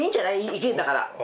意見だから。